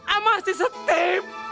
amah si setim